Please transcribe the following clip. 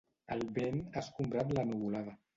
El vent ha escombrat la nuvolada.